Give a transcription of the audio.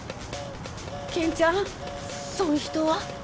健ちゃんそん人は？